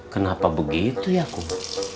kenapa begitu ya kum